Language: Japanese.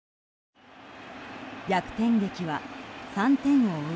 逆転劇は３点を追う